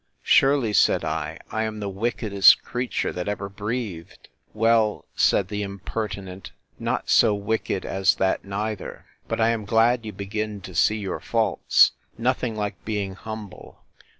—Surely, said I, I am the wickedest creature that ever breathed! Well, said the impertinent, not so wicked as that neither; but I am glad you begin to see your faults. Nothing like being humble!